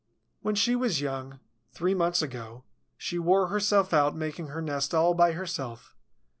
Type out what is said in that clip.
When she was young, three months ago, she wore herself out making her nest all by herself.